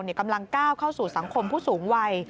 กำลังก้าวเข้าสู่สังคมผู้สูงวัย